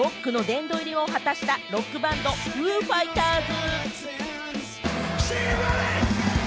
グラミー賞を１５冠、ロックの殿堂入りも果たしたロックバンド、フー・ファイターズ。